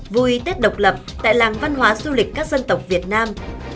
vui tết độc lập tại làng văn hóa du lịch các dân tộc việt nam